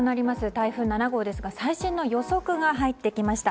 台風７号ですが最新の予測が入ってきました。